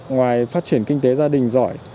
ngoài phát triển kinh tế gia đình giỏi